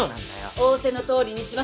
仰せの通りにします。